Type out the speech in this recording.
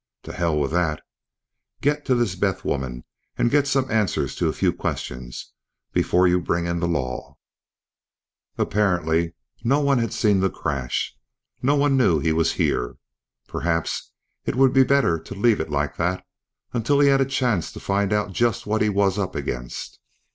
To hell with that. Get to this Beth woman and get some answers to a few questions before you bring in the law. Apparently no one had seen the crash. No one knew he was here. Perhaps it would be better to leave it like that until he had a chance to find out just what he was up against.